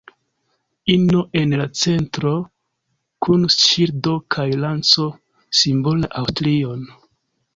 Ino en la centro, kun ŝildo kaj lanco simbolas Aŭstrion.